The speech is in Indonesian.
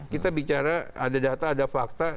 kita bicara ada data ada fakta